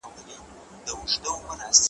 مېوې وچ کړه؟!